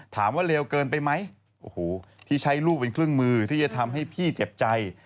เลวเกินไปไหมโอ้โหที่ใช้ลูกเป็นเครื่องมือที่จะทำให้พี่เจ็บใจ